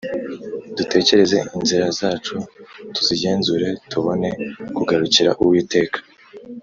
Dutekereze inzira zacu tuzigenzure, Tubone kugarukira Uwiteka.